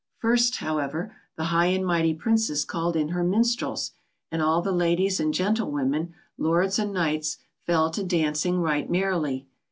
First, however, the high and mighty Princess called in her minstrels, and all the ladies and gentlewomen, lords and knights, fell to dancing right merrily.